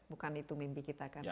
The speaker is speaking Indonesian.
bukan itu mimpi kita kan